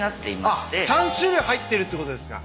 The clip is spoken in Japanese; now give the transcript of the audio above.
あっ３種類入ってるってことですか。